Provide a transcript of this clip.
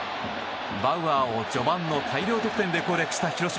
バウアーを序盤の大量得点で攻略した広島。